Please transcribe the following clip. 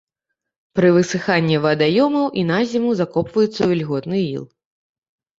Пры высыханні вадаёмаў і на зіму закопваюцца ў вільготны іл.